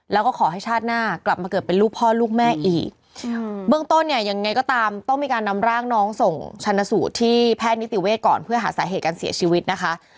แล้วก็ขอให้ชาติหน้ากลับมาเกิดเป็นลูกพ่อลูกแม่อีก